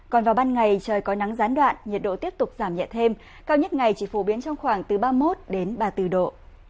còn vào ban ngày trời có nắng gián đoạn nhiệt độ tiếp tục giảm nhẹ thêm cao nhất ngày chỉ phổ biến trong khoảng từ ba mươi một đến ba mươi bốn độ